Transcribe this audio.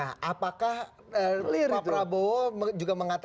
apakah pak prabowo juga mengatakan